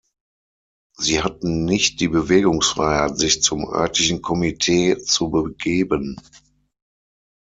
Sie hatten nicht die Bewegungsfreiheit, sich zum örtlichen Komittee zu begeben.